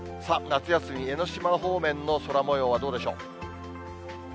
夏休み、江の島方面の空もようはどうでしょう。